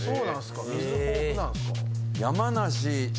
水豊富なんすか。